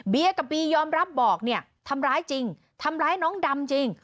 กับบียอมรับบอกเนี่ยทำร้ายจริงทำร้ายน้องดำจริง